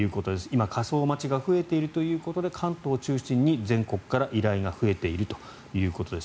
今、火葬待ちが増えているということで関東中心に全国から依頼が増えているということです。